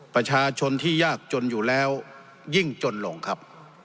ประชาชนที่ยากจนอยู่แล้วยิ่งจนลงครับ